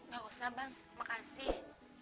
ga usah bang makasih